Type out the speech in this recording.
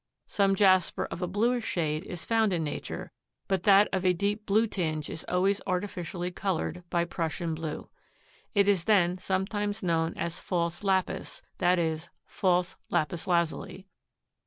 Some jasper of a bluish shade is found in Nature, but that of a deep blue tinge is always artificially colored by Prussian blue. It is then sometimes known as "false lapis," that is, false lapis lazuli.